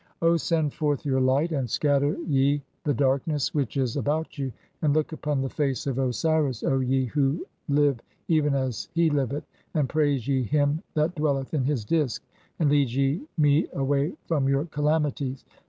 'O send forth your light and (5) scatter ye the darkness [which 'is about] you, and look upon the face of Osiris, O ye who 'live even as he liveth, and praise [ye] him (6) that dwelleth 'in his Disk, and lead [ye] me away from your calamities.